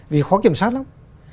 vì khó kiểm soát lắm